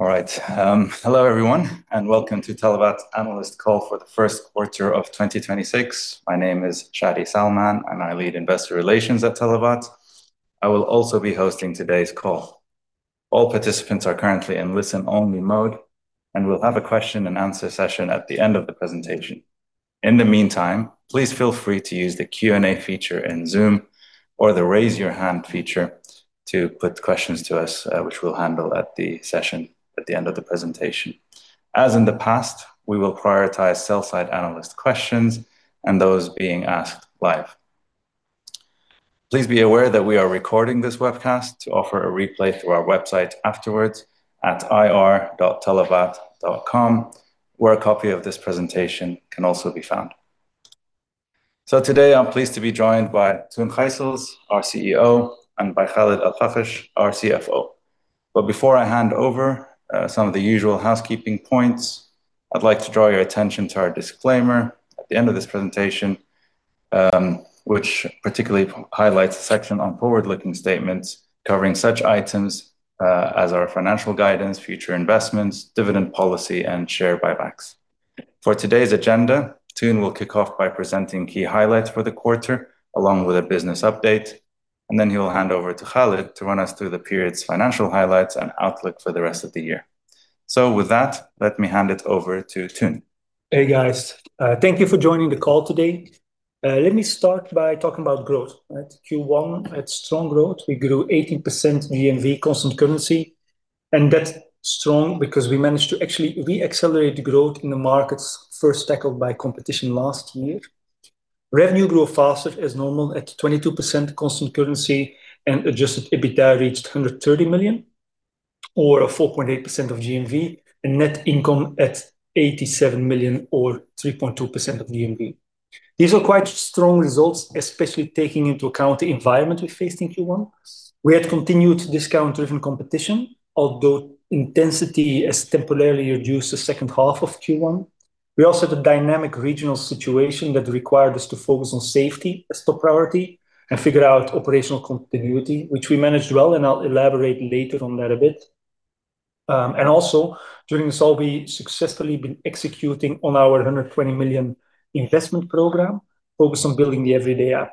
All right. Hello everyone, and welcome to Talabat Analyst Call for the First Quarter of 2026. My name is Shadi Salman, and I lead investor relations at Talabat. I will also be hosting today's call. All participants are currently in listen-only mode, and we'll have a question-and-answer session at the end of the presentation. In the meantime, please feel free to use the Q&A feature in Zoom or the raise your hand feature to put questions to us, which we'll handle at the session at the end of the presentation. As in the past, we will prioritize sell-side analyst questions and those being asked live. Please be aware that we are recording this webcast to offer a replay through our website afterwards at ir.talabat.com, where a copy of this presentation can also be found. Today, I'm pleased to be joined by Toon Gyssels, our CEO, and by Khaled Al-Fakesh, our CFO. Before I hand over, some of the usual housekeeping points, I'd like to draw your attention to our disclaimer at the end of this presentation, which particularly highlights the section on forward-looking statements covering such items, as our financial guidance, future investments, dividend policy and share buybacks. For today's agenda, Toon will kick off by presenting key highlights for the quarter, along with a business update, and then he will hand over to Khaled to run us through the period's financial highlights and outlook for the rest of the year. With that, let me hand it over to Toon. Hey, guys. Thank you for joining the call today. Let me start by talking about growth, right? Q1 had strong growth. We grew 18% GMV constant currency, and that's strong because we managed to actually re-accelerate growth in the markets first tackled by competition last year. Revenue grew faster as normal at 22% constant currency and adjusted EBITDA reached $130 million, or a 4.8% of GMV, and net income at $87 million or 3.2% of GMV. These are quite strong results, especially taking into account the environment we faced in Q1. We had continued discount-driven competition, although intensity is temporarily reduced to second half of Q1. We also had a dynamic regional situation that required us to focus on safety as top priority and figure out operational continuity, which we managed well, and I'll elaborate later on that a bit. Also during this all, we successfully been executing on our $120 million investment program focused on building the Everyday App.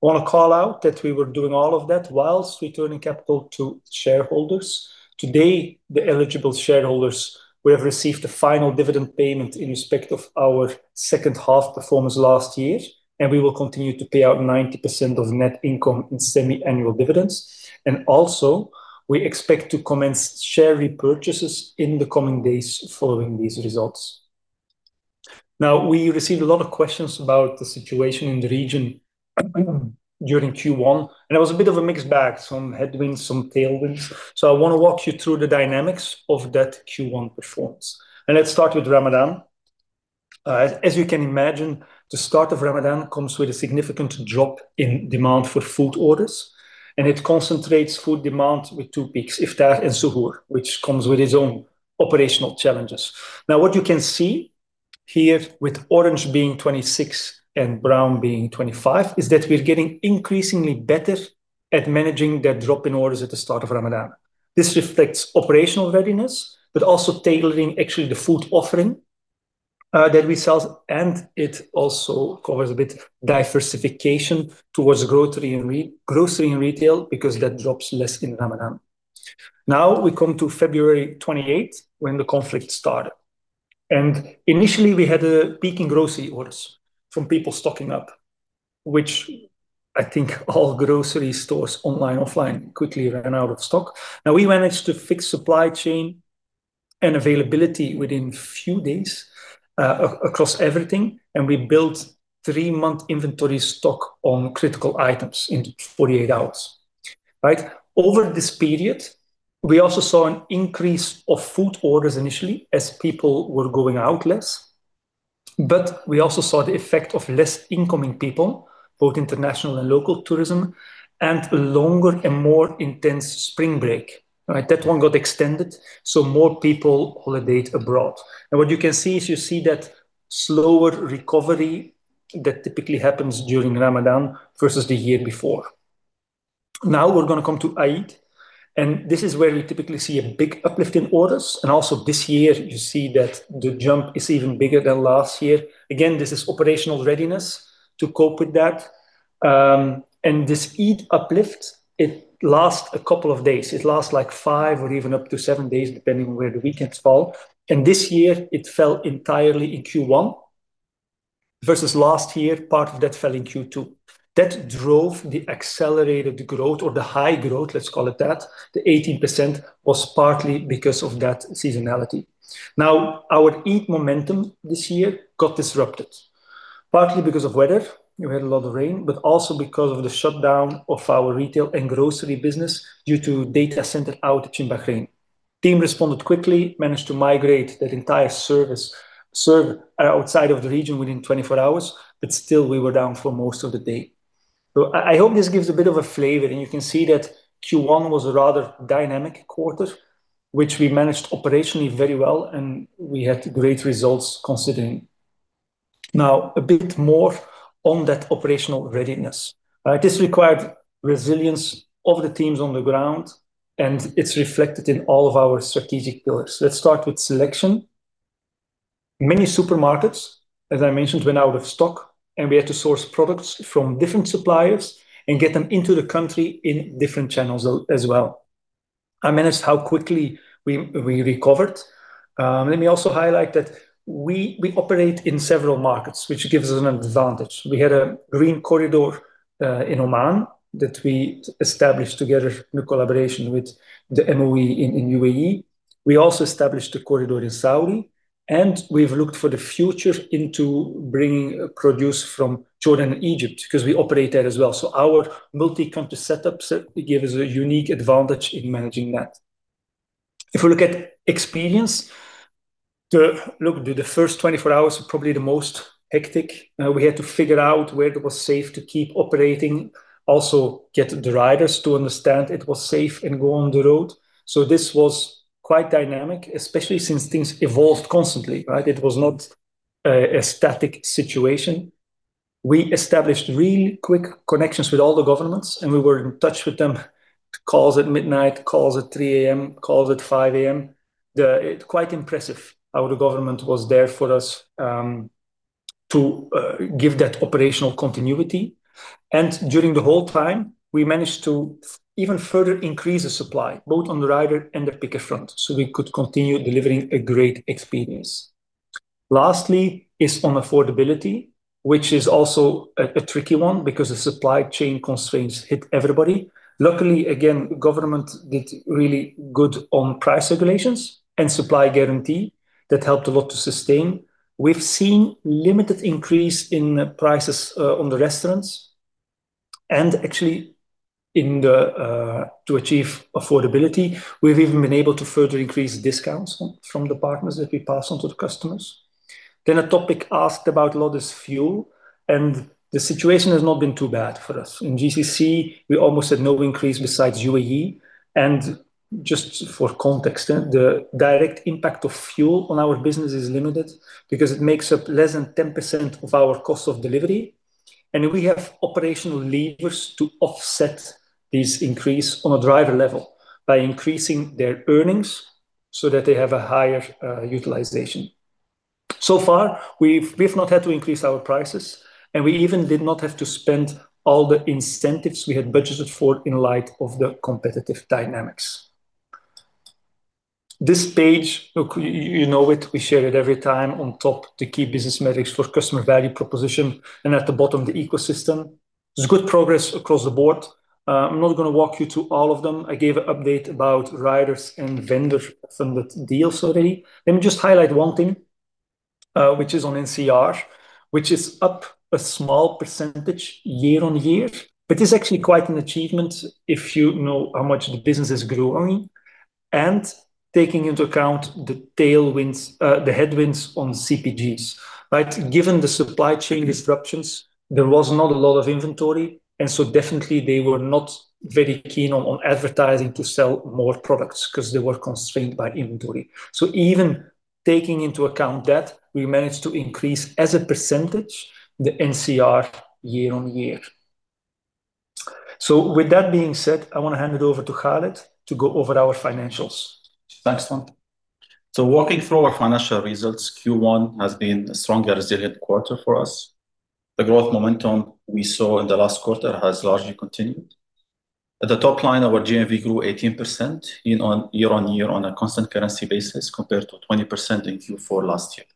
I wanna call out that we were doing all of that while returning capital to shareholders. Today, the eligible shareholders will have received the final dividend payment in respect of our second half performance last year, and we will continue to pay out 90% of net income in semi-annual dividends. Also, we expect to commence share repurchases in the coming days following these results. We received a lot of questions about the situation in the region during Q1, it was a bit of a mixed bag, some headwinds, some tailwinds. I wanna walk you through the dynamics of that Q1 performance. Let's start with Ramadan. As you can imagine, the start of Ramadan comes with a significant drop in demand for food orders, and it concentrates food demand with two peaks, iftar and suhoor, which comes with its own operational challenges. What you can see here, with orange being 26 and brown being 25, is that we're getting increasingly better at managing that drop in orders at the start of Ramadan. This reflects operational readiness, but also tailoring actually the food offering that we sell, and it also covers a bit diversification towards grocery and grocery and retail because that drops less in Ramadan. We come to February 28 when the conflict started. Initially, we had a peak in grocery orders from people stocking up, which I think all grocery stores online, offline quickly ran out of stock. We managed to fix supply chain and availability within few days, across everything, and we built three-month inventory stock on critical items in 48 hours. Right? Over this period, we also saw an increase of food orders initially as people were going out less, but we also saw the effect of less incoming people, both international and local tourism, and a longer and more intense spring break, right? That one got extended, more people holidayed abroad. What you can see is you see that slower recovery that typically happens during Ramadan versus the year before. We're gonna come to Eid. This is where you typically see a big uplift in orders. Also this year, you see that the jump is even bigger than last year. Again, this is operational readiness to cope with that. This Eid uplift, it lasts a couple of days. It lasts like five or even up to seven days, depending on where the weekends fall. This year, it fell entirely in Q1 versus last year, part of that fell in Q2. That drove the accelerated growth or the high growth, let's call it that. The 18% was partly because of that seasonality. Our Eid momentum this year got disrupted, partly because of weather, we had a lot of rain, but also because of the shutdown of our retail and grocery business due to data center out in Bahrain. Team responded quickly, managed to migrate that entire service, server outside of the region within 24 hours, but still we were down for most of the day. I hope this gives a bit of a flavor, and you can see that Q1 was a rather dynamic quarter, which we managed operationally very well, and we had great results considering. Now a bit more on that operational readiness. Right, this required resilience of the teams on the ground, and it's reflected in all of our strategic pillars. Let's start with selection. Many supermarkets, as I mentioned, went out of stock, and we had to source products from different suppliers and get them into the country in different channels as well. I managed how quickly we recovered. Let me also highlight that we operate in several markets, which gives us an advantage. We had a green corridor in Oman that we established together in collaboration with the MOE in U.A.E. We also established a corridor in Saudi, we've looked for the future into bringing produce from Jordan and Egypt because we operate there as well. Our multi-country setup set give us a unique advantage in managing that. If we look at experience, the look, the first 24 hours were probably the most hectic. We had to figure out where it was safe to keep operating, also get the riders to understand it was safe and go on the road. This was quite dynamic, especially since things evolved constantly, right. It was not a static situation. We established really quick connections with all the governments, we were in touch with them, calls at midnight, calls at 3:00 A.M., calls at 5:00 A.M. It quite impressive how the government was there for us, to give that operational continuity. During the whole time, we managed to even further increase the supply, both on the rider and the picker front, so we could continue delivering a great experience. Lastly is on affordability, which is also a tricky one because the supply chain constraints hit everybody. Luckily, again, government did really good on price regulations and supply guarantee. That helped a lot to sustain. We've seen limited increase in prices on the restaurants, and actually in the to achieve affordability, we've even been able to further increase discounts from the partners that we pass on to the customers. A topic asked about a lot is fuel. The situation has not been too bad for us. In GCC, we almost had no increase besides U.A.E.. Just for context, the direct impact of fuel on our business is limited because it makes up less than 10% of our cost of delivery. We have operational levers to offset this increase on a driver level by increasing their earnings so that they have a higher utilization. So far, we've not had to increase our prices, and we even did not have to spend all the incentives we had budgeted for in light of the competitive dynamics. This page, you know, we share it every time on top, the key business metrics for customer value proposition, and at the bottom, the ecosystem. There's good progress across the board. I'm not gonna walk you through all of them. I gave an update about riders and vendor funded deals already. Let me just highlight one thing, which is on NCR, which is up a small percentage year-on-year. This is actually quite an achievement if you know how much the business is growing and taking into account the tailwinds, the headwinds on CPGs. Right. Given the supply chain disruptions, there was not a lot of inventory, and definitely they were not very keen on advertising to sell more products because they were constrained by inventory. Even taking into account that, we managed to increase as a percentage the NCR year-on-year. With that being said, I wanna hand it over to Khaled to go over our financials. Thanks, Toon. Walking through our financial results, Q1 has been a strong and resilient quarter for us. The growth momentum we saw in the last quarter has largely continued. At the top line, our GMV grew 18% year-on-year on a constant currency basis compared to 20% in Q4 last year.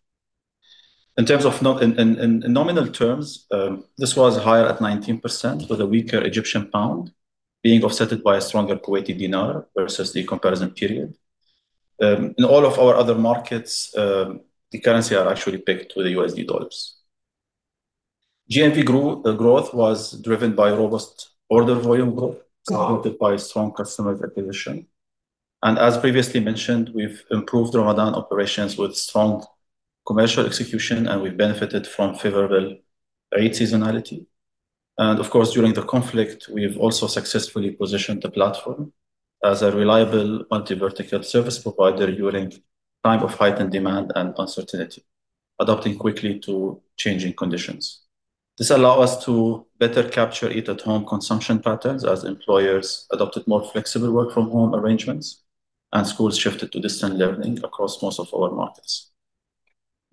In terms of nominal terms, this was higher at 19% with a weaker Egyptian pound being offset by a stronger Kuwaiti dinar versus the comparison period. In all of our other markets, the currency are actually pegged to the USD. GMV growth was driven by robust order volume growth supported by strong customer acquisition. As previously mentioned, we've improved Ramadan operations with strong commercial execution, and we benefited from favorable Eid seasonality. Of course, during the conflict, we've also successfully positioned the platform as a reliable multi-vertical service provider during time of heightened demand and uncertainty, adapting quickly to changing conditions. This allow us to better capture eat-at-home consumption patterns as employers adopted more flexible work from home arrangements and schools shifted to distance learning across most of our markets.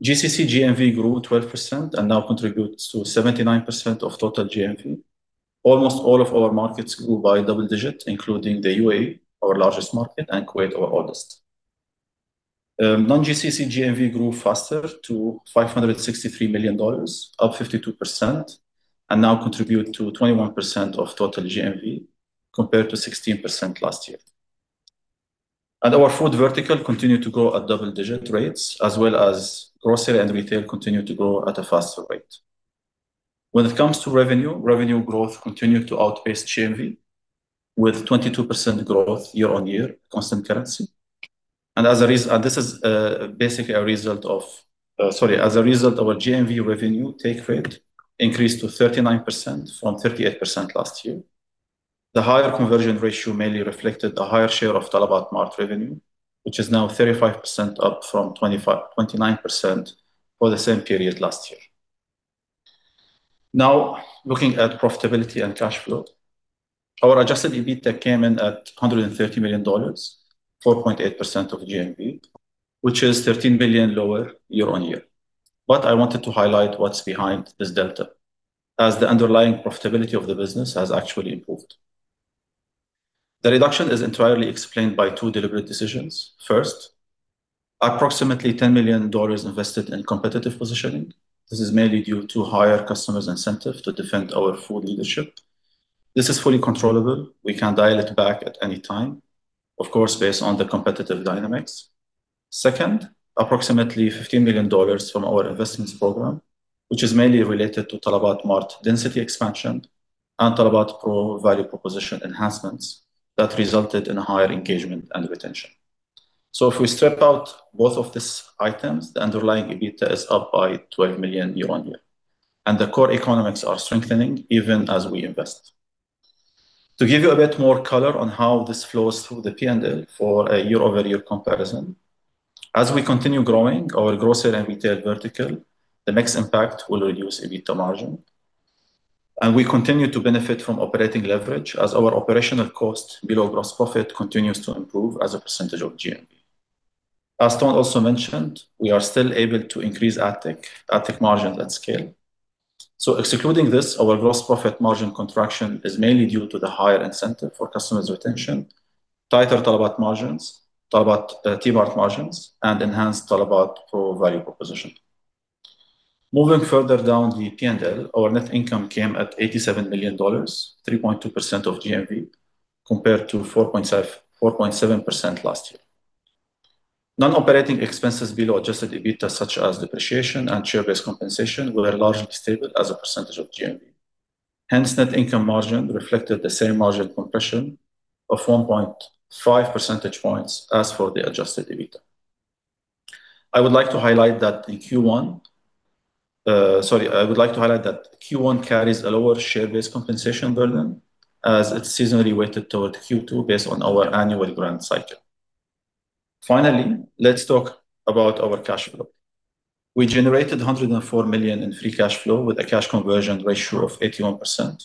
GCC GMV grew 12% and now contributes to 79% of total GMV. Almost all of our markets grew by double digits, including the U.A.E., our largest market, and Kuwait, our oldest. Non-GCC GMV grew faster to $563 million, up 52%, and now contribute to 21% of total GMV compared to 16% last year. Our food vertical continued to grow at double-digit rates, as well as grocery and retail continued to grow at a faster rate. When it comes to revenue growth continued to outpace GMV with 22% growth year-on-year constant currency. As a result, our GMV revenue take rate increased to 39% from 38% last year. The higher conversion ratio mainly reflected a higher share of talabat mart revenue, which is now 35% up from 29% for the same period last year. Looking at profitability and cash flow. Our adjusted EBITDA came in at $130 million, 4.8% of the GMV, which is $13 billion lower year-on-year. I wanted to highlight what's behind this delta, as the underlying profitability of the business has actually improved. The reduction is entirely explained by two deliberate decisions. First, approximately $10 million invested in competitive positioning. This is mainly due to higher customers incentive to defend our food leadership. This is fully controllable. We can dial it back at any time, of course, based on the competitive dynamics. Second, approximately $15 million from our investments program, which is mainly related to talabat mart density expansion and talabat pro value proposition enhancements that resulted in higher engagement and retention. If we strip out both of these items, the underlying EBITDA is up by $12 million year-on-year, and the core economics are strengthening even as we invest. To give you a bit more color on how this flows through the P&L for a year-over-year comparison, as we continue growing our grocery and retail vertical, the mix impact will reduce EBITDA margin, and we continue to benefit from operating leverage as our operational cost below gross profit continues to improve as a percentage of GMV. As Toon also mentioned, we are still able to increase AdTech margins at scale. Excluding this, our gross profit margin contraction is mainly due to the higher incentive for customers retention, tighter Talabat margins, talabat mart margins, and enhanced talabat pro value proposition. Moving further down the P&L, our net income came at $87 million, 3.2% of GMV, compared to 4.7% last year. Non-operating expenses below adjusted EBITDA, such as depreciation and share-based compensation, were largely stable as a percentage of GMV. Hence, net income margin reflected the same margin compression of 1.5 percentage points as for the adjusted EBITDA. I would like to highlight that Q1 carries a lower share-based compensation burden as it's seasonally weighted toward Q2 based on our annual grant cycle. Finally, let's talk about our cash flow. We generated $104 million in free cash flow with a cash conversion ratio of 81%.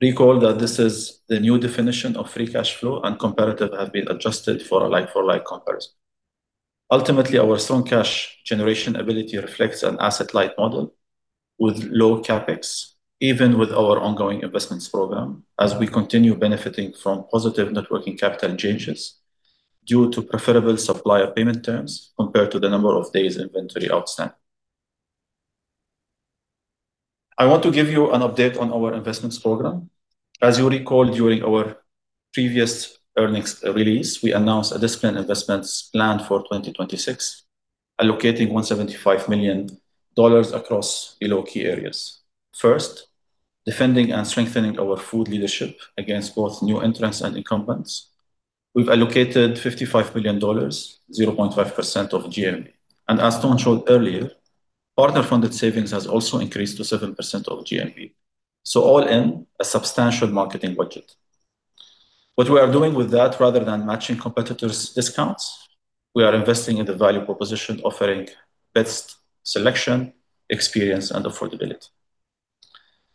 Recall that this is the new definition of free cash flow, and comparative has been adjusted for a like-for-like comparison. Ultimately, our strong cash generation ability reflects an asset-light model with low CapEx, even with our ongoing investments program, as we continue benefiting from positive net working capital changes due to preferable supplier payment terms compared to the number of days inventory outstanding. I want to give you an update on our investments program. As you recall, during our previous earnings release, we announced a disciplined investments plan for 2026, allocating $175 million across below key areas. First, defending and strengthening our food leadership against both new entrants and incumbents. We've allocated $55 million, 0.5% of GMV. As Toon showed earlier, partner-funded savings has also increased to 7% of GMV. All in, a substantial marketing budget. What we are doing with that rather than matching competitors' discounts, we are investing in the value proposition offering best selection, experience, and affordability.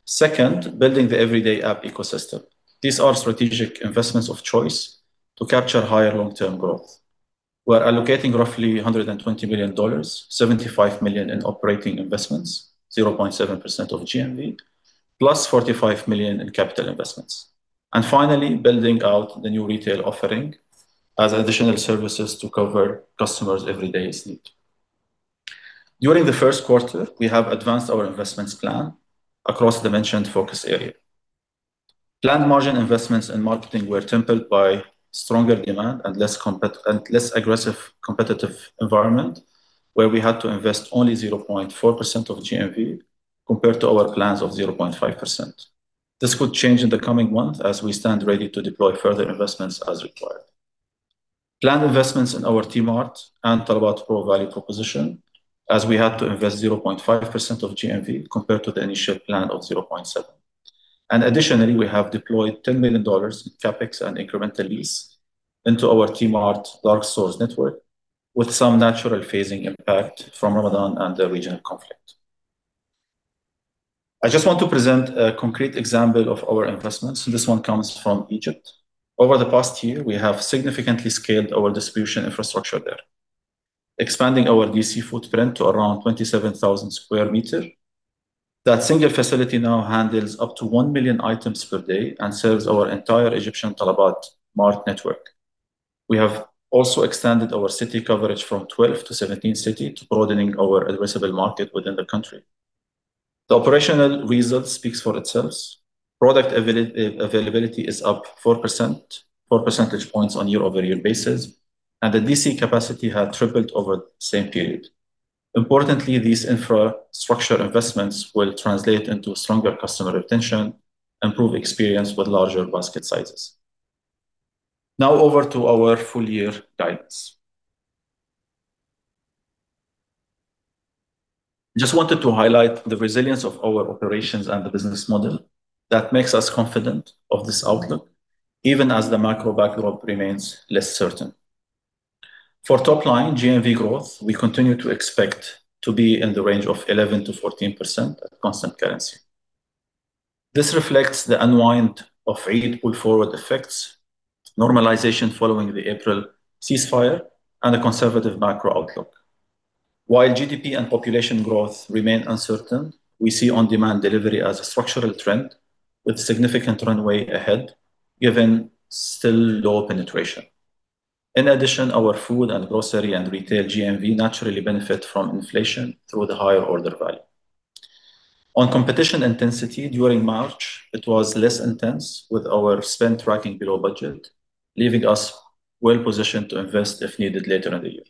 Second, building the Everyday App ecosystem. These are strategic investments of choice to capture higher long-term growth. We're allocating roughly $120 million, $75 million in operating investments, 0.7% of GMV, plus $45 million in capital investments. Building out the new retail offering as additional services to cover customers' everyday needs. During the first quarter, we have advanced our investments plan across the mentioned focus area. Planned margin investments in marketing were tempered by stronger demand and less aggressive competitive environment, where we had to invest only 0.4% of GMV compared to our plans of 0.5%. This could change in the coming months as we stand ready to deploy further investments as required. Planned investments in our talabat mart and talabat pro value proposition, as we had to invest 0.5% of GMV compared to the initial plan of 0.7%. We have deployed $10 million in CapEx and incremental lease into our talabat mart dark stores network with some natural phasing impact from Ramadan and the regional conflict. I just want to present a concrete example of our investments. This one comes from Egypt. Over the past year, we have significantly scaled our distribution infrastructure there, expanding our DC footprint to around 27,000 sq m. That single facility now handles up to 1 million items per day and serves our entire Egyptian talabat mart network. We have also extended our city coverage from 12 to 17 cities, broadening our addressable market within the country. The operational result speaks for itself. Product availability is up 4%, 4 percentage points on year-over-year basis, and the DC capacity had tripled over the same period. Importantly, these infrastructure investments will translate into stronger customer retention, improved experience with larger basket sizes. Now over to our full-year guidance. Just wanted to highlight the resilience of our operations and the business model that makes us confident of this outlook, even as the macro backdrop remains less certain. For top line GMV growth, we continue to expect to be in the range of 11%-14% at constant currency. This reflects the unwind of Eid pull forward effects, normalization following the April ceasefire, and a conservative macro outlook. While GDP and population growth remain uncertain, we see on-demand delivery as a structural trend with significant runway ahead given still low penetration. In addition, our food and grocery and retail GMV naturally benefit from inflation through the higher order value. On competition intensity during March, it was less intense with our spend tracking below budget, leaving us well-positioned to invest if needed later in the year.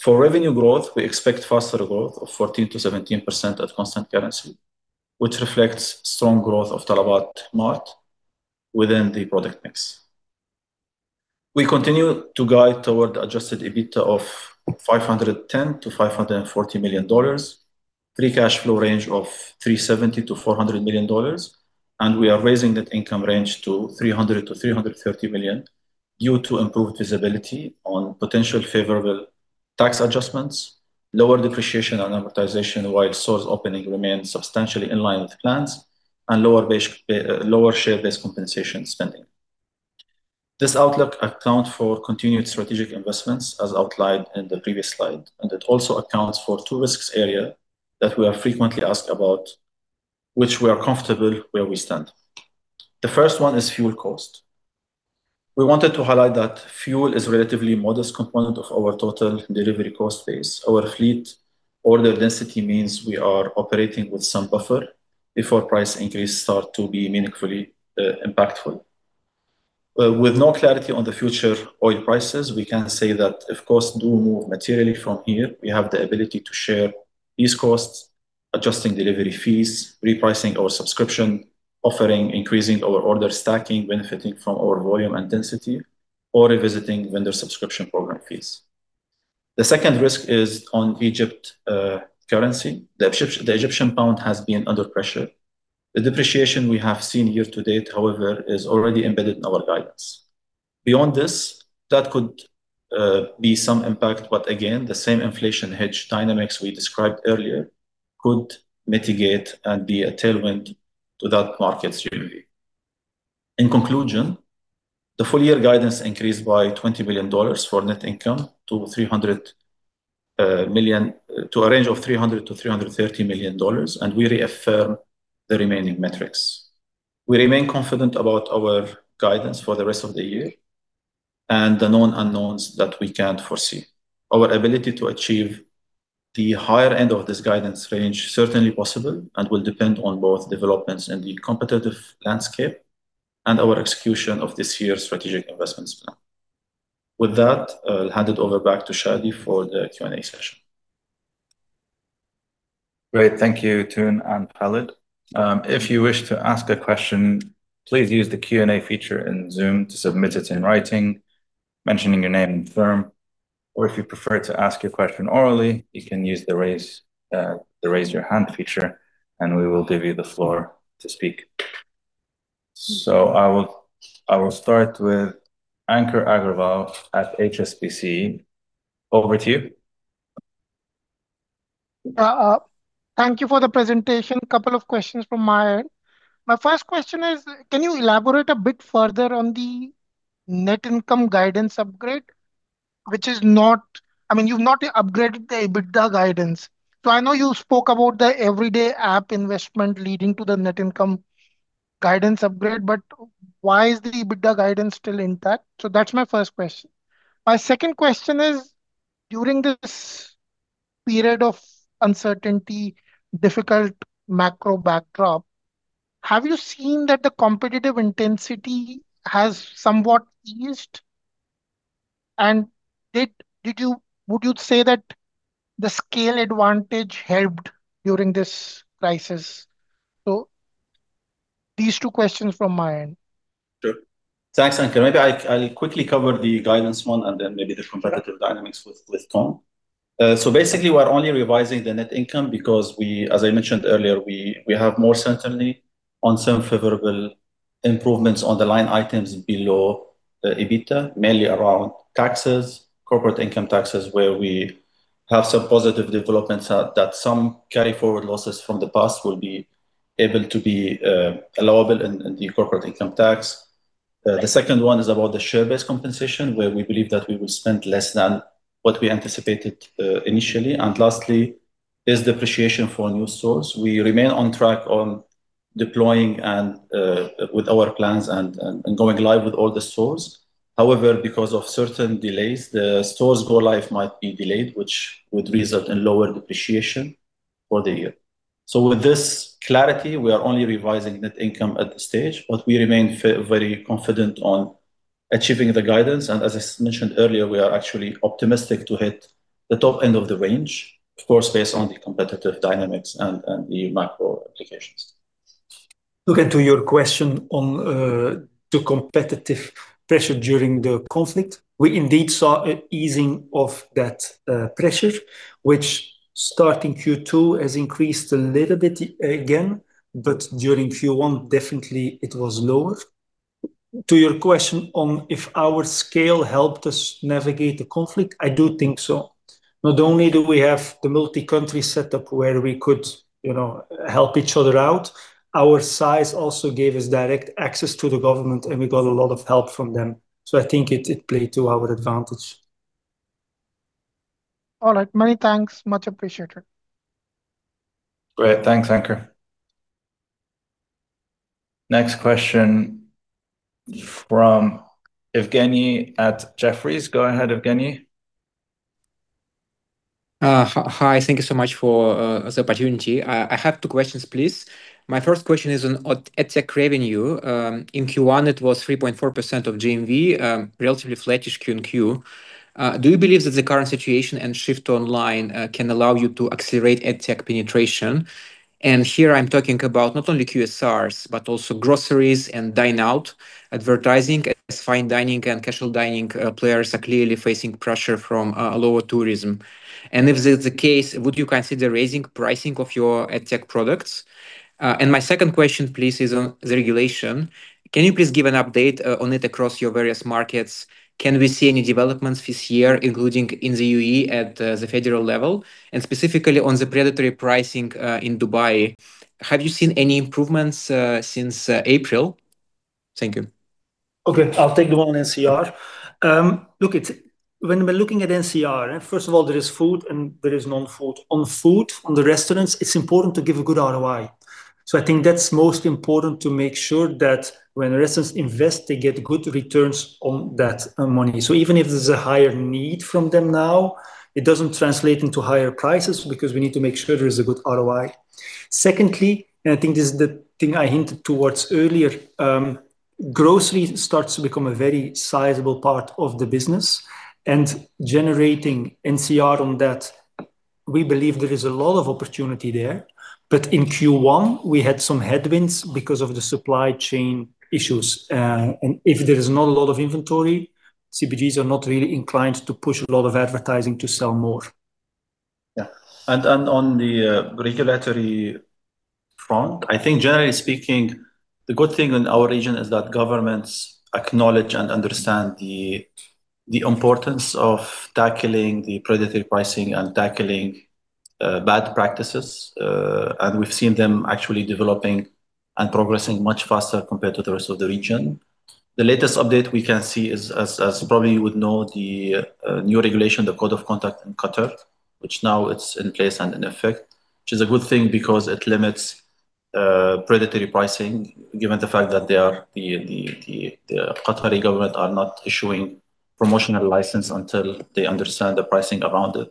For revenue growth, we expect faster growth of 14%-17% at constant currency, which reflects strong growth of talabat mart within the product mix. We continue to guide toward adjusted EBITDA of $510 million-$540 million, free cash flow range of $370 million-$400 million, and we are raising that income range to $300 million-$330 million due to improved visibility on potential favorable tax adjustments, lower depreciation and amortization while stores opening remains substantially in line with plans, and lower share-based compensation spending. This outlook account for continued strategic investments as outlined in the previous slide, and it also accounts for two risks area that we are frequently asked about, which we are comfortable where we stand. The first one is fuel cost. We wanted to highlight that fuel is relatively modest component of our total delivery cost base. Our fleet order density means we are operating with some buffer before price increase start to be meaningfully impactful. With no clarity on the future oil prices, we can say that if costs do move materially from here, we have the ability to share these costs, adjusting delivery fees, repricing our subscription offering, increasing our order stacking, benefiting from our volume and density or revisiting vendor subscription program fees. The second risk is on Egypt currency. The Egyptian pound has been under pressure. The depreciation we have seen year-to-date, however, is already embedded in our guidance. Beyond this, that could be some impact, but again, the same inflation hedge dynamics we described earlier could mitigate and be a tailwind to that market stability. In conclusion, the full year guidance increased by $20 million for net income to a range of $300 million-$330 million, and we reaffirm the remaining metrics. We remain confident about our guidance for the rest of the year and the known unknowns that we can't foresee. Our ability to achieve the higher end of this guidance range certainly possible and will depend on both developments in the competitive landscape and our execution of this year's strategic investments plan. With that, I'll hand it over back to Shadi for the Q&A session. Great. Thank you, Toon and Khaled. If you wish to ask a question, please use the Q&A feature in Zoom to submit it in writing, mentioning your name and firm. Or if you prefer to ask your question orally, you can use the raise your hand feature, we will give you the floor to speak. I will start with Ankur Agarwal at HSBC. Over to you. Thank you for the presentation. Couple of questions from my end. My first question is, can you elaborate a bit further on the net income guidance upgrade? I mean, you've not upgraded the EBITDA guidance. I know you spoke about the everyday app investment leading to the net income guidance upgrade, but why is the EBITDA guidance still intact? That's my first question. My second question is, during this period of uncertainty, difficult macro backdrop, have you seen that the competitive intensity has somewhat eased? Would you say that the scale advantage helped during this crisis? These two questions from my end. Sure. Thanks, Ankur. Maybe I'll quickly cover the guidance one and then maybe the competitive dynamics with Toon. Basically, we're only revising the net income because we, as I mentioned earlier, we have more certainty on some favorable improvements on the line items below the EBITDA, mainly around taxes, corporate income taxes, where we have some positive developments that some carry forward losses from the past will be able to be allowable in the corporate income tax. The second one is about the share-based compensation, where we believe that we will spend less than what we anticipated initially. Lastly is depreciation for new stores. We remain on track on deploying and with our plans and going live with all the stores. However, because of certain delays, the stores go live might be delayed, which would result in lower depreciation for the year. With this clarity, we are only revising net income at this stage, but we remain very confident on achieving the guidance. As I mentioned earlier, we are actually optimistic to hit the top end of the range, of course, based on the competitive dynamics and the macro applications. Look into your question on the competitive pressure during the conflict. We indeed saw an easing of that pressure, which starting Q2 has increased a little bit again, but during Q1 definitely it was lower. To your question on if our scale helped us navigate the conflict, I do think so. Not only do we have the multi-country setup where we could, you know, help each other out, our size also gave us direct access to the government, and we got a lot of help from them. I think it played to our advantage. All right. Many thanks. Much appreciated. Great. Thanks, Ankur. Next question from Evgenii at Jefferies. Go ahead, Evgenii. Hi, thank you so much for this opportunity. I have two questions, please. My first question is on AdTech revenue. In Q1 it was 3.4% of GMV, relatively flattish QoQ. Do you believe that the current situation and shift online can allow you to accelerate AdTech penetration? Here I'm talking about not only QSRs, but also groceries and dine out advertising as fine dining and casual dining players are clearly facing pressure from lower tourism. If that's the case, would you consider raising pricing of your AdTech products? My second question please is on the regulation. Can you please give an update on it across your various markets? Can we see any developments this year, including in the U.A.E. at the federal level? Specifically on the predatory pricing, in Dubai, have you seen any improvements since April? Thank you. I'll take the one on NCR. When we're looking at NCR, first of all, there is food and there is non-food. On food, on the restaurants, it's important to give a good ROI. I think that's most important to make sure that when restaurants invest, they get good returns on that money. Even if there's a higher need from them now, it doesn't translate into higher prices because we need to make sure there is a good ROI. Secondly, I think this is the thing I hinted towards earlier, grocery starts to become a very sizable part of the business, and generating NCR on that, we believe there is a lot of opportunity there. In Q1, we had some headwinds because of the supply chain issues. If there is not a lot of inventory, CPGs are not really inclined to push a lot of advertising to sell more. Yeah. On the regulatory front, I think generally speaking, the good thing in our region is that governments acknowledge and understand the importance of tackling predatory pricing and tackling bad practices. We've seen them actually developing and progressing much faster compared to the rest of the region. The latest update we can see is, as probably you would know, the new regulation, the Code of Conduct in Qatar, which now it's in place and in effect, which is a good thing because it limits predatory pricing, given the fact that they are the Qatari government are not issuing promotional license until they understand the pricing around it.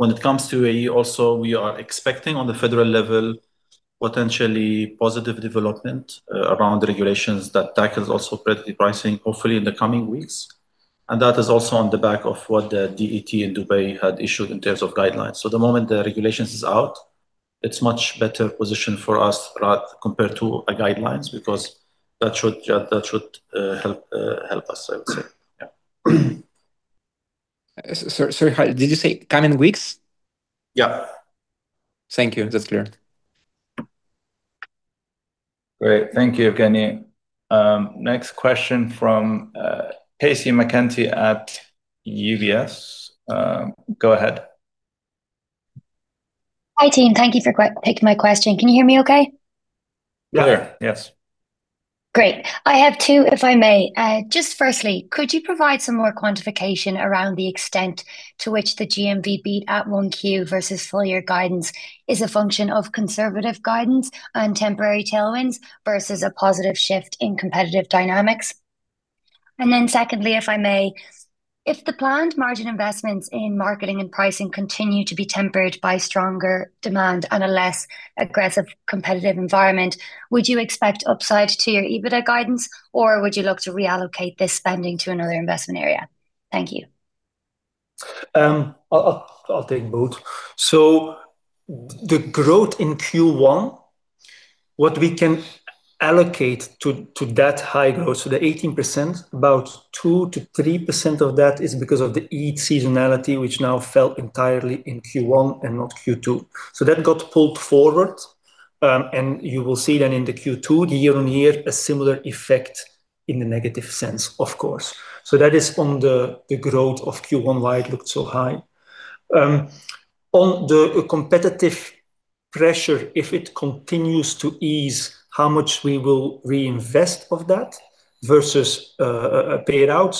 When it comes to U.A.E. also, we are expecting on the federal level potentially positive development around regulations that tackles also predatory pricing, hopefully in the coming weeks. That is also on the back of what the DET in Dubai had issued in terms of guidelines. The moment the regulations is out, it's much better position for us, right, compared to guidelines, because that should help us, I would say. Yeah. Sorry, did you say coming weeks? Yeah. Thank you. That's clear. Great. Thank you, Evgenii. Next question from [Casey Mackenzie] at UBS. Go ahead. Hi, team. Thank you for picking my question. Can you hear me okay? Yeah. Clear. Yes. Great. I have two, if I may. Just firstly, could you provide some more quantification around the extent to which the GMV beat at 1Q versus full year guidance is a function of conservative guidance and temporary tailwinds versus a positive shift in competitive dynamics? Secondly, if I may, if the planned margin investments in marketing and pricing continue to be tempered by stronger demand and a less aggressive competitive environment, would you expect upside to your EBITDA guidance, or would you look to reallocate this spending to another investment area? Thank you. I'll take both. The growth in Q1, what we can allocate to that high growth, the 18%, about 2%-3% of that is because of the Eid seasonality, which now fell entirely in Q1 and not Q2. That got pulled forward, and you will see then in the Q2, the year-on-year, a similar effect in a negative sense, of course. That is on the growth of Q1, why it looked so high. On the competitive pressure, if it continues to ease how much we will reinvest of that versus pay it out.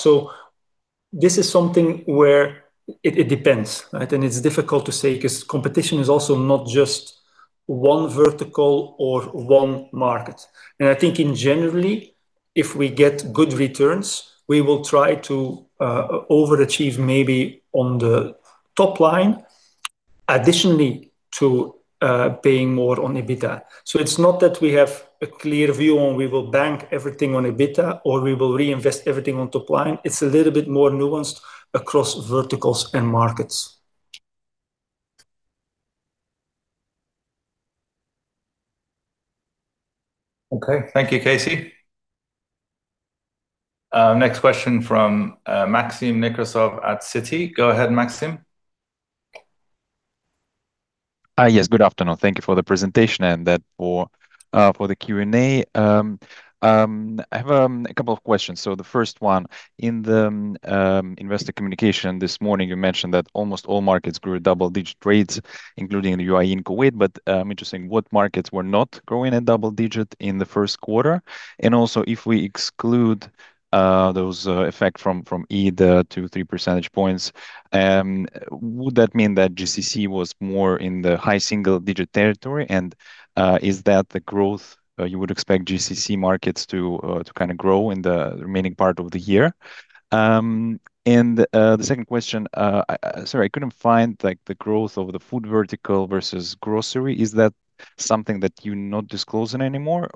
This is something where it depends, right? It's difficult to say 'cause competition is also not just one vertical or one market. I think in general, if we get good returns, we will try to overachieve maybe on the top line additionally to paying more on EBITDA. It's not that we have a clear view on we will bank everything on EBITDA, or we will reinvest everything on top line. It's a little bit more nuanced across verticals and markets. Okay. Thank you, [Casey]. Next question from Maxim Nekrasov at Citi. Go ahead, Maxim. Hi, yes. Good afternoon. Thank you for the presentation and that for the Q&A. I have a couple of questions. The first one, in the investor communication this morning, you mentioned that almost all markets grew double-digit rates, including the U.A.E. and Kuwait, interesting, what markets were not growing at double-digit in the first quarter? Also, if we exclude those effect from Eid, the 2, 3 percentage points, would that mean that GCC was more in the high single-digit territory? Is that the growth you would expect GCC markets to kind of grow in the remaining part of the year? The second question, I sorry, I couldn't find, like, the growth of the food vertical versus grocery. Is that something that you're not disclosing anymore?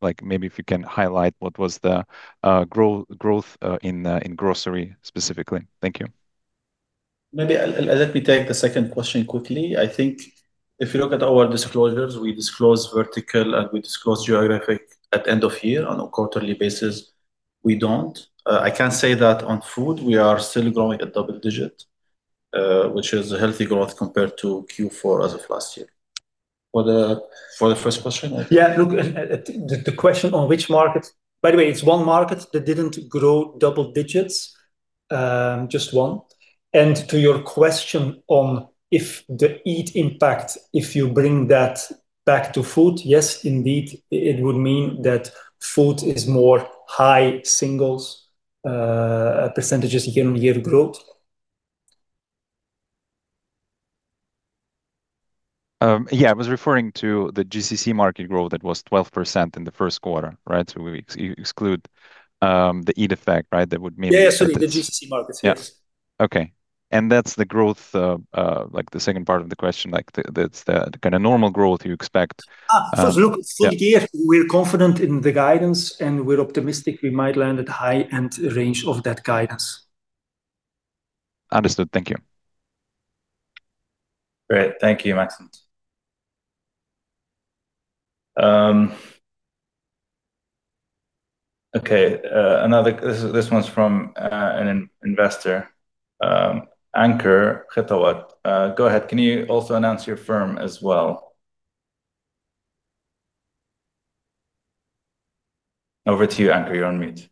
Like maybe if you can highlight what was the growth in grocery specifically. Thank you. Maybe let me take the second question quickly. I think if you look at our disclosures, we disclose vertical and we disclose geographic at end of year. On a quarterly basis, we don't. I can say that on food, we are still growing at double-digit, which is a healthy growth compared to Q4 as of last year. For the first question, I- Yeah, look, the question on which market. By the way, it's one market that didn't grow double-digits, just one. To your question on if the Eid impact, if you bring that back to food, yes, indeed, it would mean that food is more high-singles, percentages year-on-year growth. I was referring to the GCC market growth that was 12% in the first quarter, right? We exclude the Eid effect, right? Yeah. Sorry, the GCC markets. Yes. Yeah. Okay. That's the growth, like the second part of the question, like the kind of normal growth you expect, yeah. Look, full year, we're confident in the guidance, and we're optimistic we might land at the high-end range of that guidance. Understood. Thank you. Great. Thank you, Maxim. This one's from an investor, [Ankur Khetawat]. Go ahead. Can you also announce your firm as well? Over to you, Ankur. You're on mute.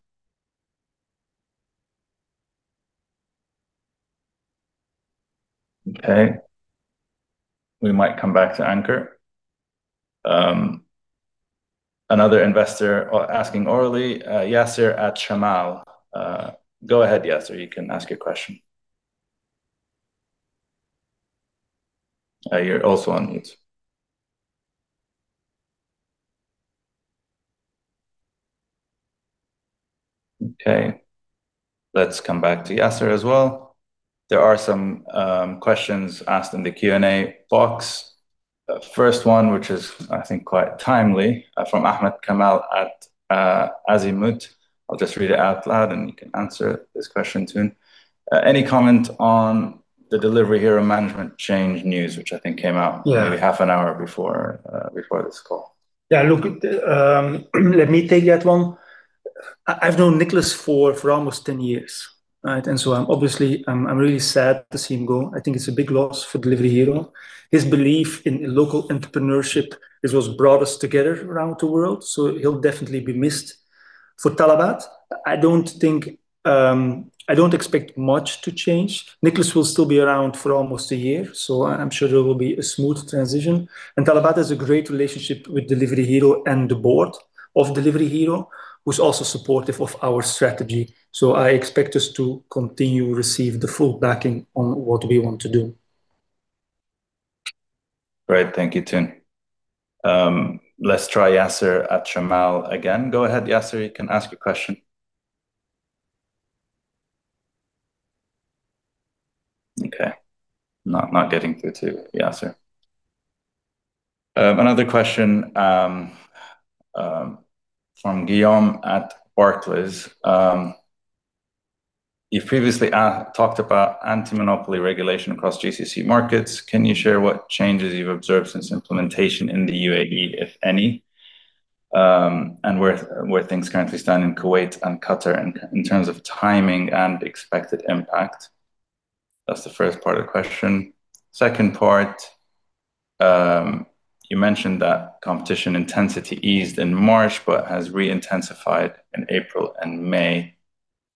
We might come back to [Ankur]. Another investor asking orally, [Yasser El Gamal]. Go ahead, [Yasser], you can ask your question. You're also on mute. Let's come back to [Yasser] as well. There are some questions asked in the Q&A box. The first one, which is, I think quite timely, from Ahmed Kamal at Azimut. I'll just read it out loud, and you can answer this question, Toon. Any comment on the Delivery Hero management change news, which I think came out. Yeah. Maybe half an hour before this call. Let me take that one. I've known Niklas for almost 10 years, right? I'm obviously, I'm really sad to see him go. I think it's a big loss for Delivery Hero. His belief in local entrepreneurship is what's brought us together around the world, so he'll definitely be missed. For Talabat, I don't think, I don't expect much to change. Niklas will still be around for almost one year, so I'm sure there will be a smooth transition. Talabat has a great relationship with Delivery Hero and the Board of Delivery Hero, who's also supportive of our strategy. I expect us to continue receive the full backing on what we want to do. Great. Thank you, Toon. Let's try [Yasser El Gamal] again. Go ahead, [Yasser], you can ask your question. Okay. Not getting through to [Yasser]. Another question from Guillaume at Barclays. You previously talked about anti-monopoly regulation across GCC markets. Can you share what changes you've observed since implementation in the U.A.E., if any? And where things currently stand in Kuwait and Qatar in terms of timing and expected impact? That's the first part of the question. Second part, you mentioned that competition intensity eased in March but has re-intensified in April and May.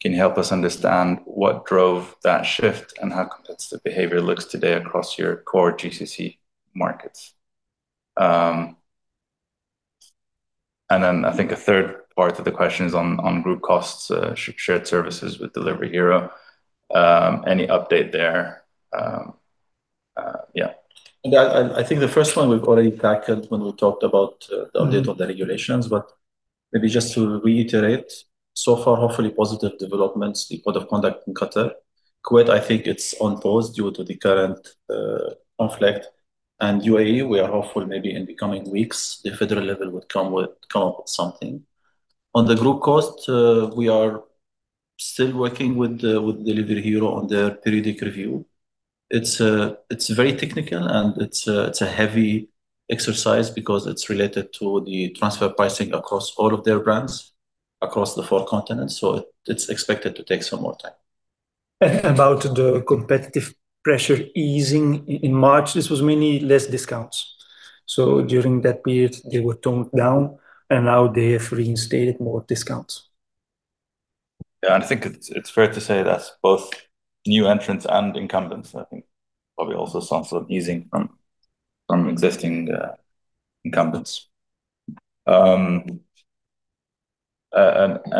Can you help us understand what drove that shift and how competitive behavior looks today across your core GCC markets? Then I think a third part of the question is on group costs, shared services with Delivery Hero. Any update there? Yeah. I think the first one we've already tackled when we talked about the update on the regulations, but maybe just to reiterate, so far, hopefully positive developments, the code of conduct in Qatar. Kuwait, I think it's on pause due to the current conflict. U.A.E., we are hopeful maybe in the coming weeks, the federal level would come up with something. On the group cost, Still working with the, with Delivery Hero on their periodic review. It's very technical, and it's a heavy exercise because it's related to the transfer pricing across all of their brands across the four continents, so it's expected to take some more time. The competitive pressure easing in March, this was mainly less discounts. During that period, they were toned down, and now they have reinstated more discounts. I think it's fair to say that's both new entrants and incumbents. I think probably also some sort of easing from existing incumbents. An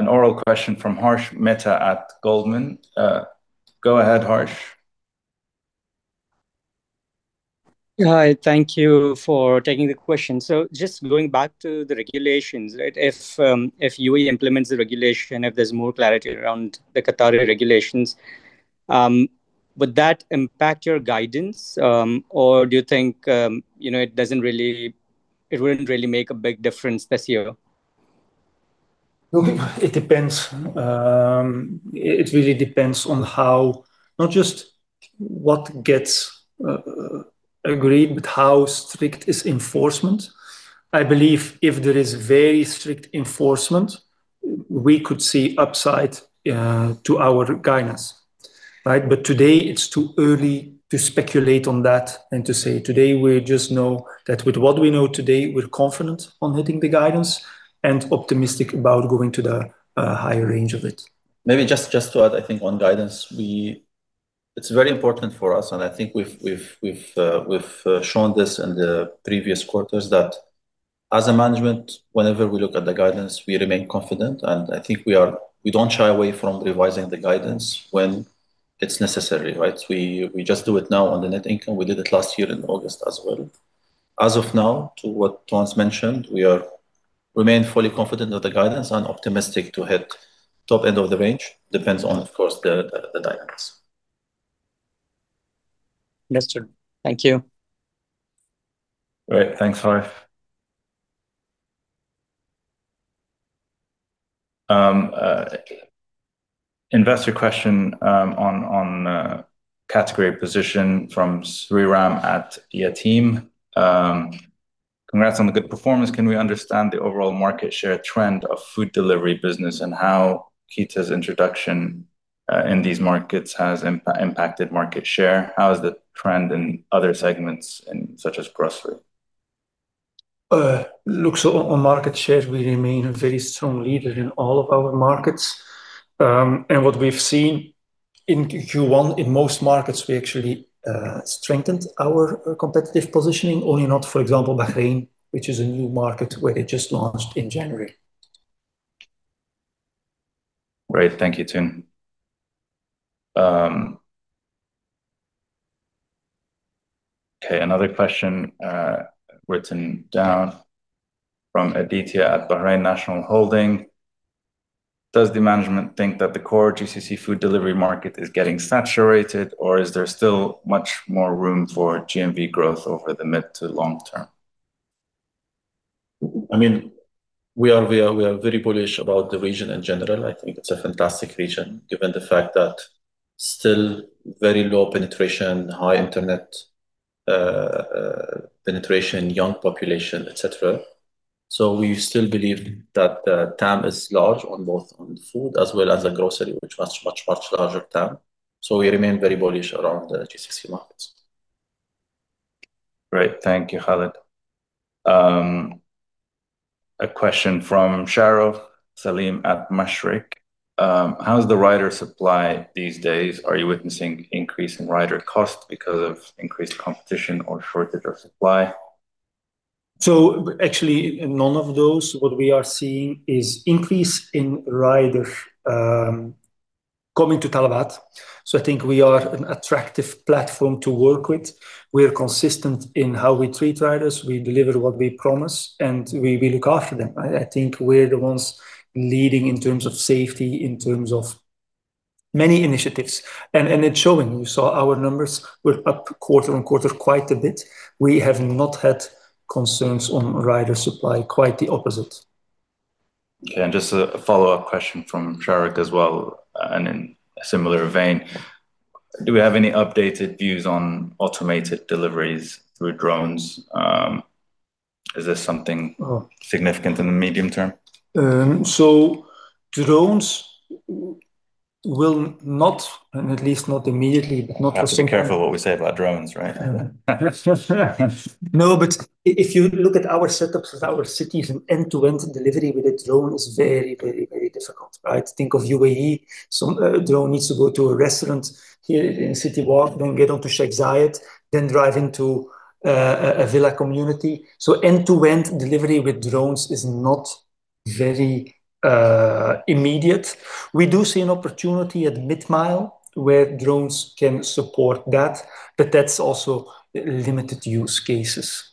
oral question from Harsh Mehta at Goldman. Go ahead, Harsh. Hi. Thank you for taking the question. Just going back to the regulations, right? If U.A.E. implements the regulation, if there's more clarity around the Qatar regulations, would that impact your guidance? Do you think, you know, it wouldn't really make a big difference this year? Look, it depends. It really depends on how, not just what gets agreed, but how strict is enforcement. I believe if there is very strict enforcement, we could see upside to our guidance. Right? Today it's too early to speculate on that and to say. Today we just know that with what we know today, we're confident on hitting the guidance and optimistic about going to the higher range of it. Maybe just to add on guidance. It's very important for us, and we've shown this in the previous quarters that, as a management, whenever we look at the guidance, we remain confident. We don't shy away from revising the guidance when it's necessary, right? We just do it now on the net income. We did it last year in August as well. As of now, to what Toon's mentioned, we are remain fully confident of the guidance and optimistic to hit top end of the range. Depends on, of course, the dynamics. Yes, sir. Thank you. Great. Thanks, Harsh. investor question on category position from Sriram at Yateem. Congrats on the good performance. Can we understand the overall market share trend of food delivery business and how Keeta's introduction in these markets has impacted market share? How is the trend in other segments such as grocery? Look, on market shares, we remain a very strong leader in all of our markets. What we've seen in Q1, in most markets, we actually strengthened our competitive positioning, only not, for example, Bahrain, which is a new market where they just launched in January. Great. Thank you, Toon. Okay, another question, written down from Aditya at Bahrain National Holding. Does the management think that the core GCC food delivery market is getting saturated, or is there still much more room for GMV growth over the mid to long term? I mean, we are very bullish about the region in general. I think it's a fantastic region given the fact that still very low penetration, high internet penetration, young population, et cetera. We still believe that the TAM is large on both on food as well as the grocery, which much larger TAM. We remain very bullish around the GCC markets. Great. Thank you, Khaled. A question from Shahrukh Saleem at Mashreq. How's the rider supply these days? Are you witnessing increase in rider costs because of increased competition or shortage of supply? Actually, none of those. What we are seeing is increase in rider coming to Talabat. I think we are an attractive platform to work with. We are consistent in how we treat riders. We deliver what we promise, and we look after them. I think we're the ones leading in terms of safety, in terms of many initiatives. It's showing. You saw our numbers were up quarter-on-quarter quite a bit. We have not had concerns on rider supply, quite the opposite. Okay. Just a follow-up question from Shahrukh as well, and in a similar vein. Do we have any updated views on automated deliveries through drones? Oh. Is there something significant in the medium term? Drones will not, and at least not immediately. Have to be careful what we say about drones, right? If you look at our setups with our cities, an end-to-end delivery with a drone is very, very, very difficult. Right? Think of U.A.E. Some drone needs to go to a restaurant here in City Walk, then get onto Sheikh Zayed, then drive into a villa community. End-to-end delivery with drones is not very immediate. We do see an opportunity at mid-mile where drones can support that, but that's also limited use cases.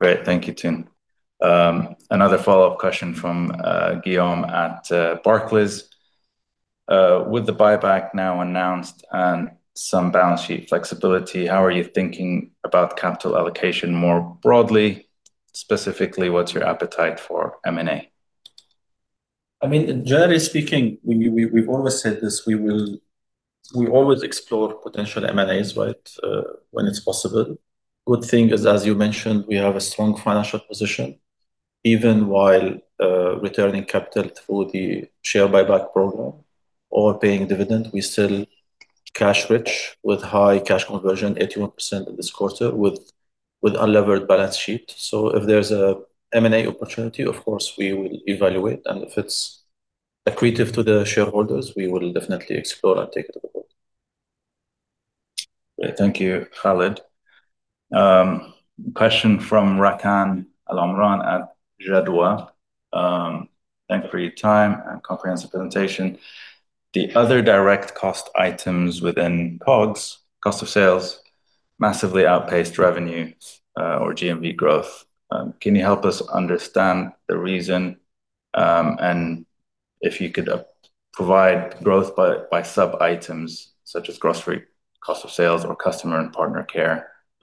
Great. Thank you, Toon. Another follow-up question from Guillaume at Barclays. With the buyback now announced and some balance sheet flexibility, how are you thinking about capital allocation more broadly? Specifically, what's your appetite for M&A? I mean, generally speaking, we've always said this, we always explore potential M&As, right, when it's possible. Good thing is, as you mentioned, we have a strong financial position even while returning capital through the share buyback program or paying dividend. We're still cash-rich with high cash conversion, 81% this quarter, with unlevered balance sheet. If there's a M&A opportunity, of course, we will evaluate, and if it's accretive to the shareholders, we will definitely explore and take it to the board. Great. Thank you, Khaled. Question from Rakan Alomran at Jadwa. Thank you for your time and comprehensive presentation. The other direct cost items within COGS, cost of sales, massively outpaced revenue or GMV growth. Can you help us understand the reason? If you could provide growth by sub-items such as grocery cost of sales or customer and partner care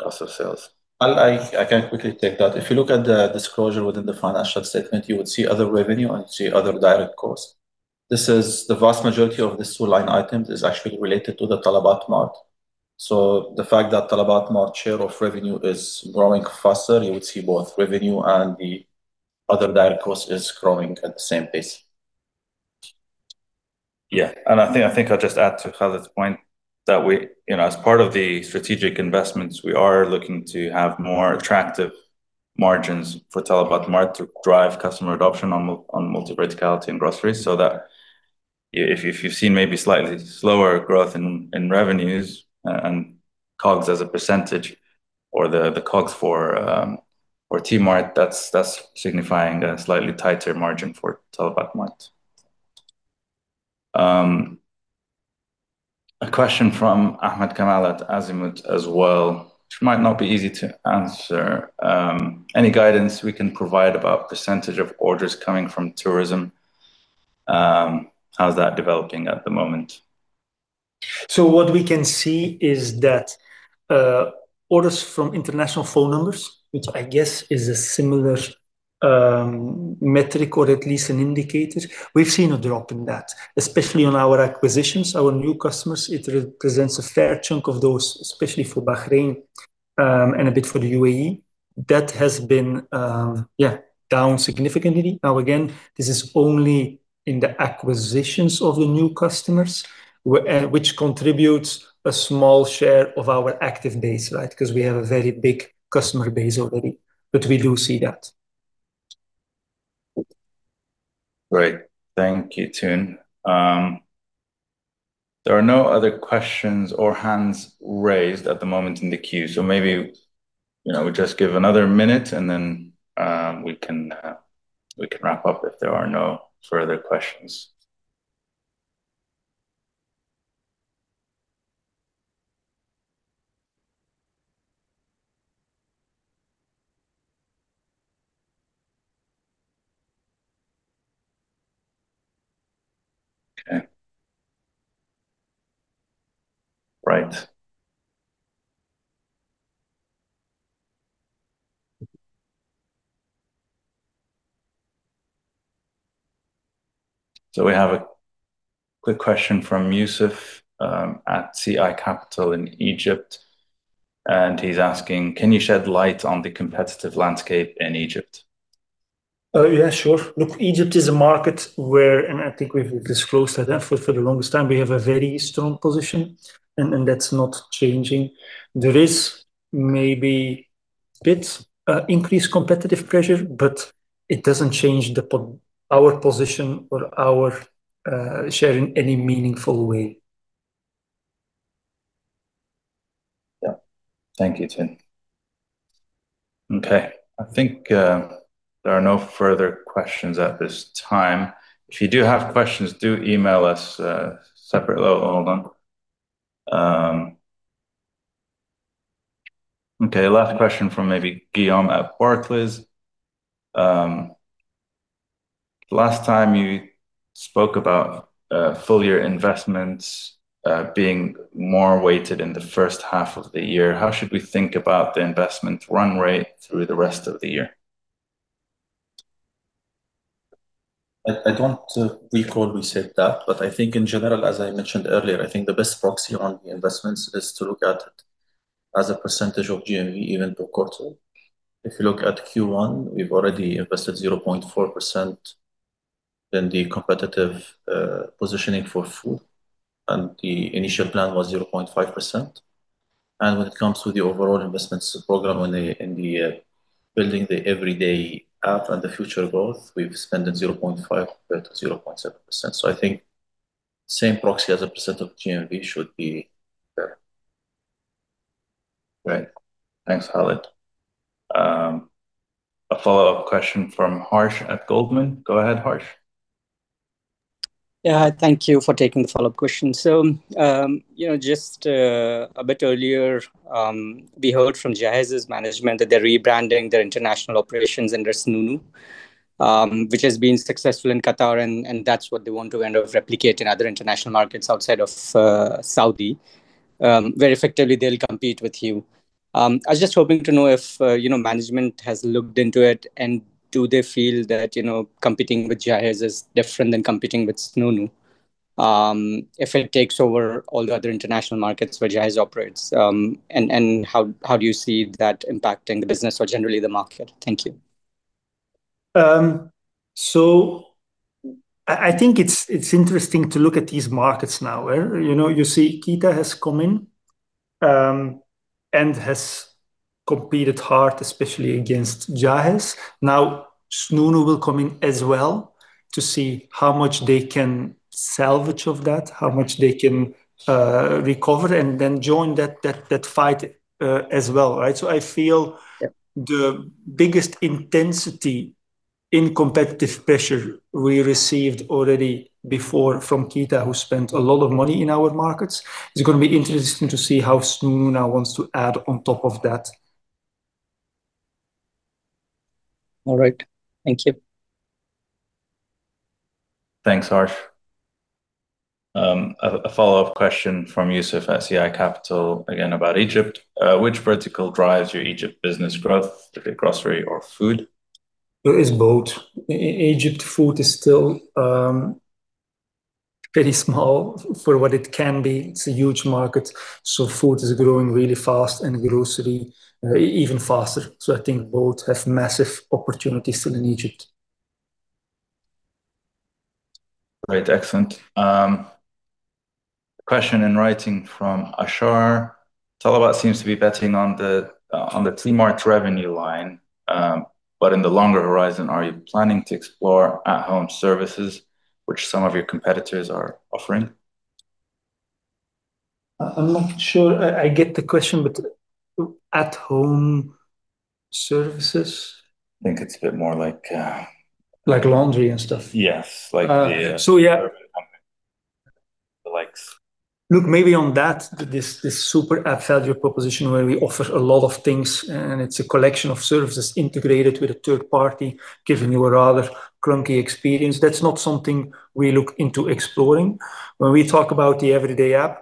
cost of sales. I can quickly take that. If you look at the disclosure within the financial statement, you would see other revenue and you see other direct costs. This is the vast majority of these two line items is actually related to the talabat mart. The fact that talabat mart share of revenue is growing faster, you would see both revenue and the other direct costs is growing at the same pace. Yeah. I think I'll just add to Khaled's point that we, you know, as part of the strategic investments, we are looking to have more attractive margins for talabat mart to drive customer adoption on multi-verticality and groceries so that if you've seen maybe slightly slower growth in revenues and COGS as a percentage or the COGS for T Mart, that's signifying a slightly tighter margin for talabat mart. A question from Ahmed Kamal at Azimut as well, which might not be easy to answer. Any guidance we can provide about percentage of orders coming from tourism? How's that developing at the moment? What we can see is that orders from international phone numbers, which I guess is a similar metric or at least an indicator, we've seen a drop in that, especially on our acquisitions. Our new customers, it represents a fair chunk of those, especially for Bahrain, and a bit for the U.A.E.. That has been, yeah, down significantly. Again, this is only in the acquisitions of the new customers which contributes a small share of our active base, right? 'Cause we have a very big customer base already, we do see that. Great. Thank you, Toon. There are no other questions or hands raised at the moment in the queue. Maybe, you know, we just give another minute and then we can wrap up if there are no further questions. Okay. Right. We have a quick question from Youssef at CI Capital in Egypt, and he's asking: Can you shed light on the competitive landscape in Egypt? Oh, yeah. Sure. Look, Egypt is a market where, and I think we've disclosed that, for the longest time, we have a very strong position and that's not changing. There is maybe bit increased competitive pressure, but it doesn't change our position or our share in any meaningful way. Yeah. Thank you, Toon. Okay. I think there are no further questions at this time. If you do have questions, do email us separately. Oh, hold on. Okay, last question from maybe Guillaume at Barclays. Last time you spoke about full year investments being more weighted in the first half of the year, how should we think about the investment run rate through the rest of the year? I don't recall we said that, but I think in general, as I mentioned earlier, I think the best proxy on the investments is to look at it as a percentage of GMV, even per quarter. If you look at Q1, we've already invested 0.4% than the competitive positioning for food, and the initial plan was 0.5%. When it comes to the overall investments program building the everyday app and the future growth, we've spent 0.5%-0.7%. I think same proxy as a percent of GMV should be fair. Great. Thanks, Khaled. A follow-up question from Harsh at Goldman. Go ahead, Harsh. Yeah. Thank you for taking the follow-up question. You know, just a bit earlier, we heard from Jahez's management that they're rebranding their international operations into Snoonu, which has been successful in Qatar and that's what they want to kind of replicate in other international markets outside of Saudi. Very effectively they'll compete with you. I was just hoping to know if, you know, management has looked into it, and do they feel that, you know, competing with Jahez is different than competing with Snoonu? If it takes over all the other international markets where Jahez operates, and how do you see that impacting the business or generally the market? Thank you. I think it's interesting to look at these markets now, where, you know, you see Keeta has come in and has competed hard, especially against Jahez. Now Snoonu will come in as well to see how much they can salvage of that, how much they can recover and then join that fight as well, right? Yeah. I feel the biggest intensity in competitive pressure we received already before from Keeta, who spent a lot of money in our markets. It's gonna be interesting to see how Snoonu now wants to add on top of that. All right. Thank you. Thanks, Harsh. A follow-up question from Youssef at CI Capital, again about Egypt. Which vertical drives your Egypt business growth, like grocery or food? It is both. Egypt food is still pretty small for what it can be. It's a huge market, food is growing really fast and grocery even faster. I think both have massive opportunities still in Egypt. Great. Excellent. Question in writing from Ashar. Talabat seems to be betting on T Mart revenue line, but in the longer horizon, are you planning to explore at home services which some of your competitors are offering? I'm not sure I get the question, but at home services? I think it's a bit more like. Like laundry and stuff? Yes. Like. Yeah. The likes. Look, maybe on that, this super app value proposition where we offer a lot of things and it's a collection of services integrated with a third party, giving you a rather clunky experience, that's not something we look into exploring. When we talk about the Everyday app,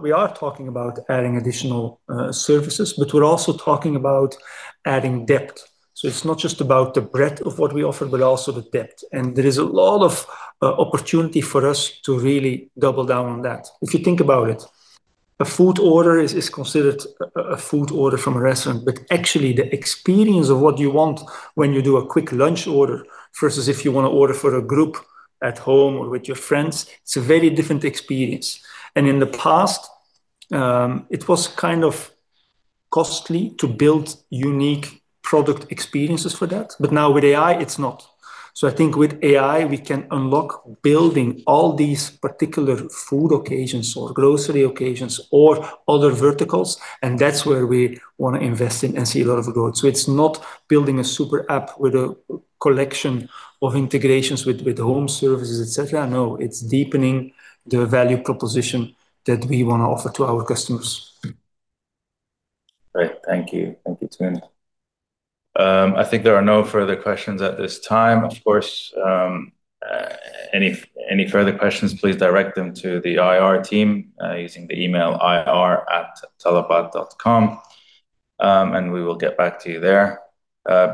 we are talking about adding additional services, we're also talking about adding depth. It's not just about the breadth of what we offer, also the depth. There is a lot of opportunity for us to really double down on that. If you think about it, a food order is considered a food order from a restaurant. Actually the experience of what you want when you do a quick lunch order versus if you wanna order for a group at home or with your friends, it's a very different experience. In the past, it was kind of costly to build unique product experiences for that, but now with AI, it's not. I think with AI we can unlock building all these particular food occasions or grocery occasions or other verticals, and that's where we wanna invest in and see a lot of growth. It's not building a super app with a collection of integrations with home services, et cetera. No, it's deepening the value proposition that we wanna offer to our customers. Great. Thank you. Thank you, Toon. I think there are no further questions at this time. Of course, any further questions, please direct them to the IR team using the email ir.talabat.com, and we will get back to you there.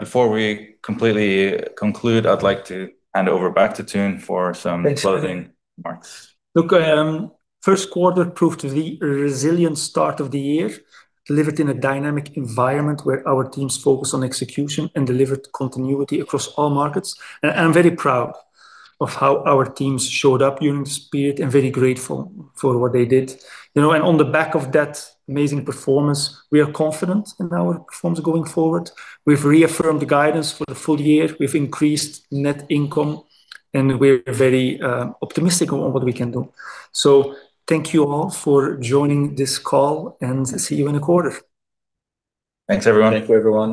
Before we completely conclude, I'd like to hand over back to Toon. Thanks. For the closing remarks. Look, first quarter proved to be a resilient start of the year, delivered in a dynamic environment where our teams focused on execution and delivered continuity across all markets. I'm very proud of how our teams showed up during this period and very grateful for what they did. You know, on the back of that amazing performance, we are confident in our performance going forward. We've reaffirmed the guidance for the full year. We've increased net income, and we're very optimistic on what we can do. Thank you all for joining this call, and see you in a quarter. Thanks, everyone. Thank you, everyone.